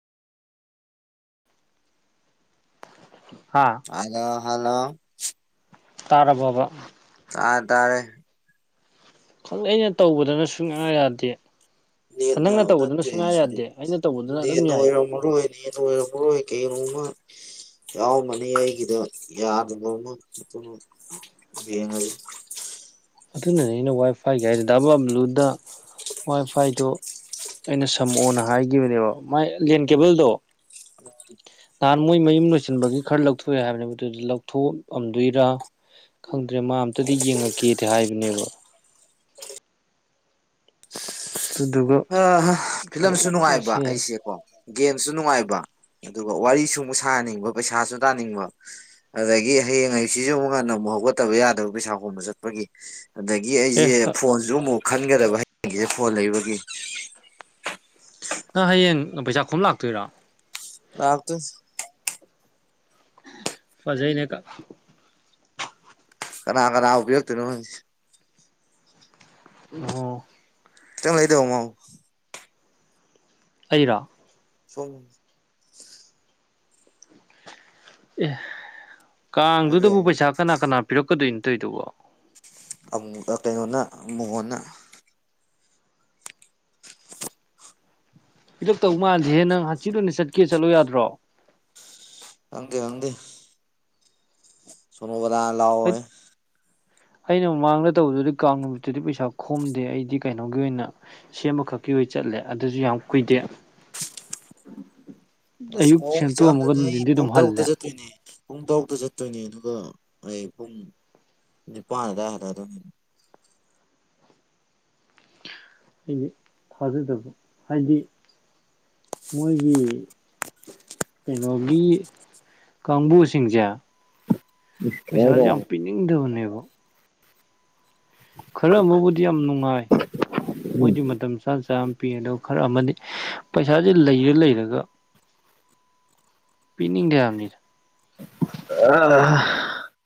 ꯍꯥ hello hello ꯇꯥꯔꯔꯕꯕꯥ ꯇꯥꯔ ꯇꯥꯔꯦ ꯈꯪꯛ ꯑꯩꯅ ꯇꯧꯕꯗꯅ ꯁꯨꯡꯌꯥ ꯌꯥꯗꯦ ꯅꯦꯠꯅ ꯅꯪꯅ ꯇꯧꯕꯗꯅ ꯅꯠꯇꯦ ꯁꯨꯡꯌꯥ ꯁꯤꯗꯤ ꯌꯥꯗꯦ ꯑꯩꯅ ꯇꯧꯕꯗꯅ ꯑꯗꯨꯝ ꯅꯦꯠꯅ ꯌꯥꯏ ꯑꯣꯏꯔꯝ ꯃꯔꯣꯏꯅꯦ ꯀꯩꯩꯅꯃ ꯌꯥꯎꯝꯃꯅꯤ ꯑꯩꯒꯤꯗ ꯌꯥꯗꯕ ꯑꯃꯛꯇꯅ ꯌꯦꯡꯉꯒ ꯑꯗꯨꯅꯅꯦ ꯑꯩꯅ ꯋꯥꯏ ꯐꯥꯏꯒꯤ ꯍꯥꯏꯔꯗꯤ ꯗ ꯥ ꯕꯕ꯭ꯂꯨꯗ ꯋꯥꯏ ꯐꯥꯏꯗꯣ ꯑꯩꯅ ꯁꯝꯃꯛꯑꯣꯅ ꯍꯥꯏꯈꯤꯕꯅꯦꯕ ꯃꯥꯏ ꯂꯦꯟ ꯀꯦꯕꯜꯗꯣ [unintelligible] ꯅꯍꯥꯟ ꯃꯣꯏ ꯃꯌꯨꯝ ꯂꯣꯏꯁꯤꯟꯕꯒꯤ ꯈꯔ ꯂꯧꯊꯣꯛꯑꯦ ꯍꯥꯏꯕꯅꯦꯕ ꯑꯗꯨꯗꯤ ꯂꯧꯊꯣꯛꯑꯝꯗꯣꯏꯔ ꯈꯪꯗ꯭ꯔꯦ ꯃꯥ ꯑ ꯑꯃꯝꯇꯗꯤ ꯌꯦꯡꯉꯛꯀꯦꯗꯤ ꯍꯥꯏꯕꯅꯦꯕ ꯑꯗꯨꯗꯨꯒ ꯐꯤꯂꯝꯁꯨ ꯅꯨꯡꯉꯥꯏꯕ ꯇꯧꯔꯁꯦꯅ ꯑꯩꯁꯦꯀꯣ ꯒꯦꯝꯁꯨ ꯅꯨꯡꯉꯥꯏꯕ ꯑꯗꯨꯒ ꯋꯥꯔꯤ ꯁꯨ ꯁꯥꯍꯟꯅꯤꯡꯕ ꯄꯩꯁꯥꯁꯨ ꯇꯥꯅꯤꯡꯕ ꯑꯗꯒꯤ ꯍꯌꯦꯡ ꯍ ꯁꯤꯁꯨ ꯑꯃꯨꯛꯀꯟꯅ ꯑꯃꯨꯛ ꯍꯧꯒꯠꯇꯕ ꯌꯥꯗꯕ ꯄꯩꯁꯥ ꯈꯣꯕ ꯆꯠꯄꯒꯤ ꯑꯗꯒꯤ ꯑꯦ ꯑꯩꯁꯦ ꯐꯣꯟꯁꯨ ꯑꯃꯨꯛ ꯈꯟꯒꯗꯕ ꯍꯌꯦꯡꯒꯤꯁꯦ ꯐꯣꯟ ꯂꯩꯕꯒꯤ ꯅꯪ ꯍꯌꯦꯡ ꯄꯩꯁꯥ ꯈꯣꯝ ꯂꯥꯛꯇꯣꯏꯔꯣ [unintelligible] ꯐꯖꯩꯅꯦ ꯀꯅꯥ ꯀꯅꯥꯕꯨ ꯄꯤꯔꯛꯇꯣꯏꯅꯣ ꯈꯪꯗꯦ ꯑꯣ [unintelligible] ꯑꯩꯔꯥ ꯁꯣ ꯑꯦ ꯍꯥꯏꯕ ꯀꯥꯡꯗꯨꯗꯕꯨ ꯌꯥꯏ ꯄꯩꯁꯥ ꯀꯅꯥ ꯀꯅꯥ ꯄꯤꯔꯛꯀꯗꯣꯏꯅꯣꯠꯇꯣꯏꯗꯨꯕꯣ [unintelligible] ꯀꯩꯅꯣꯅ ꯃꯨꯉꯣꯟꯅ ꯄꯤꯔꯛꯇꯧ ꯃꯥꯟꯗꯦꯍꯦ ꯅꯪ ꯍꯥꯡꯆꯤꯠ ꯑꯣꯏꯅ ꯆꯠꯀꯦ ꯆꯠꯂꯣ ꯌꯥꯗ꯭ꯔꯣ ꯈꯪꯗꯦ ꯈꯪꯗꯦ ꯁꯣꯃꯣꯂꯥꯅ ꯍꯩꯠ ꯂꯥꯛꯑꯣꯌꯦ ꯑꯩꯅ ꯃꯃꯥꯡꯗ ꯇꯧꯕꯗꯨꯗꯤ ꯀꯥꯡ ꯅꯨꯃꯤꯠꯇꯨꯗꯤ ꯄꯩꯁꯥ ꯈꯣꯝꯗꯦ ꯑꯩꯗꯤ ꯀꯩꯅꯣꯒꯤ ꯑꯣꯏꯅ ꯁꯦꯝꯕꯈꯛꯀꯤ ꯑꯣꯏ ꯆꯠꯂꯦ ꯑꯗꯨꯁꯨ ꯌꯥꯝ ꯀꯨꯏꯗꯦ ꯑꯁ ꯑꯌꯨꯛ ꯄꯣꯡ ꯁꯦꯝꯇꯣꯛꯑꯝꯃꯒ ꯏꯆꯥꯝꯗꯨꯅ ꯑꯩ ꯅꯨꯡꯊꯤꯟꯗꯤ ꯄꯨꯡ ꯑꯗꯨꯝ ꯇꯔꯨꯛꯇ ꯍꯜꯂꯦ ꯆꯠꯇꯣꯏꯅꯦ ꯄꯨꯡ ꯇꯔꯨꯛꯇ ꯆꯠꯇꯣꯏꯅꯦ ꯑꯗꯨꯒ ꯑꯩ ꯄꯨꯡ ꯅꯤꯄꯥꯟ ꯑꯗꯨꯋꯥꯏ ꯍꯜꯂꯑꯗꯣꯏꯅꯦ ꯍꯥꯏꯗꯤ ꯊꯥꯖꯗꯕ ꯍꯥꯏꯗꯤ ꯃꯣꯏꯒꯤ ꯀꯩꯅꯣꯒꯤ ꯀꯥꯡꯕꯨꯁꯤꯡꯁꯦ ꯄꯩꯁꯥꯁꯦ ꯌꯥꯝ ꯄꯤꯅꯤꯡꯗꯕꯅꯦꯕ ꯈꯔ ꯑꯃꯕꯨꯗꯤ ꯌꯥꯝ ꯅꯨꯡꯉꯥꯏ ꯃꯣꯏꯗꯤ ꯃꯇꯝ ꯆꯥꯅ ꯆꯥ ꯄꯤꯗꯣ ꯈꯔ ꯑꯃꯅꯤ ꯄꯩꯁꯥꯁꯦ ꯂꯩꯔ ꯂꯩꯔꯒ ꯄꯤꯅꯤꯡꯗꯦꯕꯅꯤꯅ ꯑ